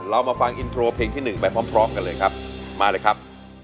เรามาฟังอินโทรเพลงที่๑ไปพร้อมกันเลยครับมาเลยครับ